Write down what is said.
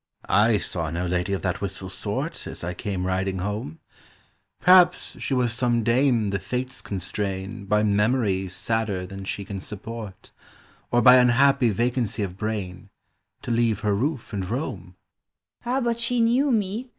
"I saw no lady of that wistful sort As I came riding home. Perhaps she was some dame the Fates constrain By memories sadder than she can support, Or by unhappy vacancy of brain, To leave her roof and roam?" "Ah, but she knew me.